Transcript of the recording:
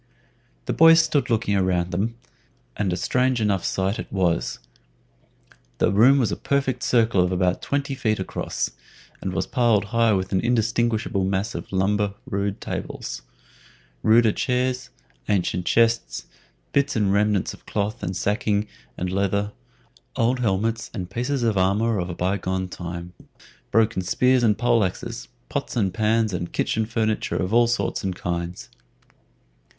The boys stood looking around them, and a strange enough sight it was. The room was a perfect circle of about twenty feet across, and was piled high with an indistinguishable mass of lumber rude tables, ruder chairs, ancient chests, bits and remnants of cloth and sacking and leather, old helmets and pieces of armor of a by gone time, broken spears and pole axes, pots and pans and kitchen furniture of all sorts and kinds.